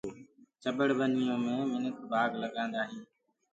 چٻڙ ڀنيو مي منک بآگ لگآندآ هينٚ۔